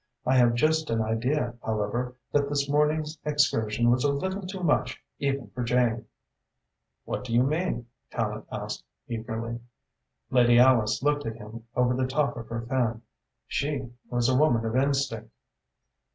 "I have just an idea, however, that this morning's excursion was a little too much even for Jane." "What do you mean?" Tallente asked eagerly. Lady Alice looked at him over the top of her fan. She was a woman of instinct.